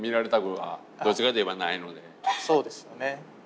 そうですよね。